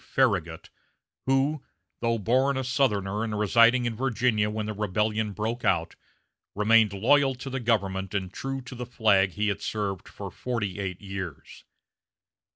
Farragut, who, though a born Southerner and residing in Virginia when the rebellion broke out, remained loyal to the government and true to the flag he had served for forty eight years.